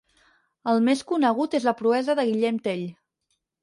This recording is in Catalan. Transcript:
El més conegut és la proesa de Guillem Tell.